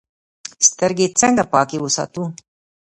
سترګې څنګه پاکې وساتو؟